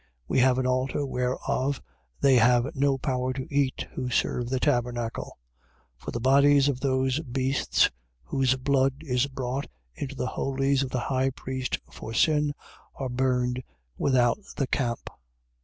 13:10. We have an altar whereof they have no power to eat who serve the tabernacle. 13:11. For the bodies of those beasts whose blood is brought into the holies by the high priest for sin are burned without the camp.